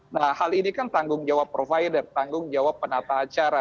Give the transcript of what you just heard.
nah hal ini kan tanggung jawab provider tanggung jawab penata acara